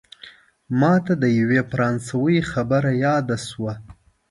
ماته د یوه فرانسوي خبره یاده شوه.